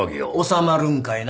収まるんかいな？